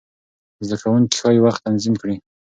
زده کوونکي ښايي وخت تنظیم کړي.